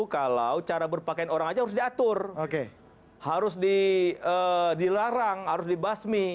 kalau cara berpakaian orang aja harus diatur harus dilarang harus dibasmi